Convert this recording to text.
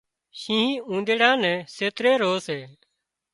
شينهن اُونۮيڙا نين سيتري رو سي